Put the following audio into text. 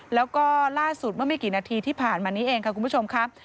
แล้วก็ล่าสุดเมื่อไม่กี่นาทีที่ผ่านมานี้เองค่ะคุณผู้ชมครับ